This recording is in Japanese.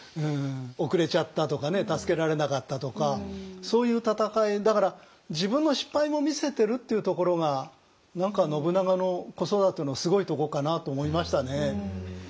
遅れちゃったとか助けられなかったとかそういう戦いだから自分の失敗も見せてるっていうところが何か信長の子育てのすごいとこかなと思いましたね。